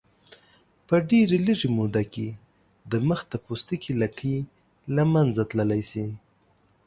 په ډېرې لږې موده کې د مخ د پوستکي لکې له منځه تللی شي.